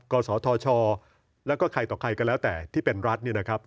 กศธชแล้วก็ใครต่อใครก็แล้วแต่ที่เป็นรัฐเนี่ยนะครับ